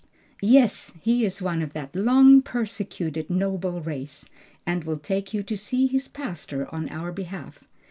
"Yes, he is one of that long persecuted noble race, and will take you to see his pastor on our behalf.